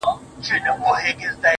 ته خيالوره، لکه مرغۍ د هوا_